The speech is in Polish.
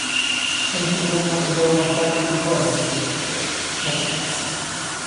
Chętnie wezmę udział w bardziej dogłębnych dyskusjach na ten temat